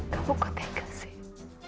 kamu kok tega sih